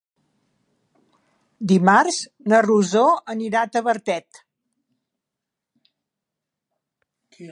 Dimarts na Rosó anirà a Tavertet.